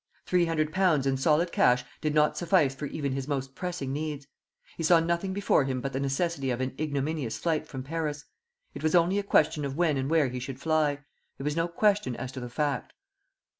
Three hundred pounds in solid cash did not suffice for even his most pressing needs. He saw nothing before him but the necessity of an ignominious flight from Paris. It was only a question of when and where he should fly; there was no question as to the fact.